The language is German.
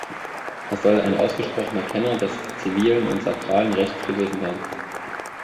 Er soll ein ausgesprochener Kenner des zivilen und sakralen Rechts gewesen sein.